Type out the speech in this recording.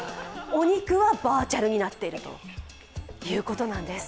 お肉はバーチャルになっているということなんです。